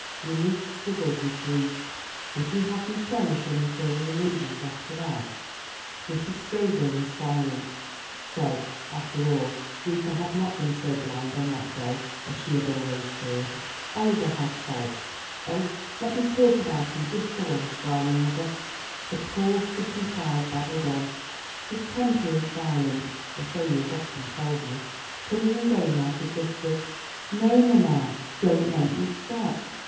Relief struggled with grief. Would you have me cherish any further illusions after that?" Mrs. Scoville was silent. So, after all, Reuther had not been so blind on that day as she had always feared. "Oliver has faults Oh, let me talk about him just for once, darling mother," the poor, stricken child babbled on. "His temper is violent, or so he has often told me, coming and going like a gust of No, mamma, don't make me stop.